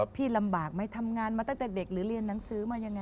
พี่ลำบากไหมทำงานมาตั้งแต่เด็กหรือเรียนหนังสือมายังไง